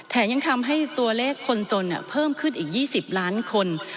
แทนยังทำให้ตัวเลขคนจนอ่ะเพิ่มขึ้นอีกยี่สิบล้านคน